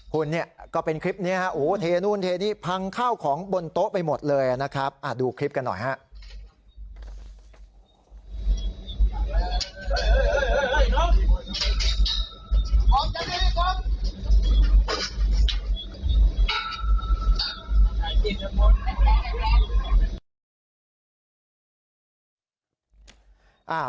คุณเนี่ยก็เป็นคลิปนี้ฮะโอ้โหเทนู่นเทนี่พังข้าวของบนโต๊ะไปหมดเลยนะครับดูคลิปกันหน่อยฮะ